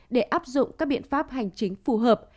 để áp dụng các biện pháp hành chính phù hợp